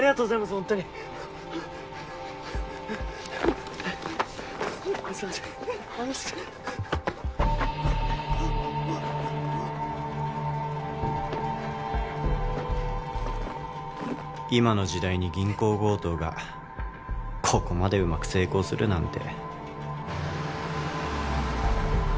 ほんとに今の時代に銀行強盗がここまでうまく成功するなんて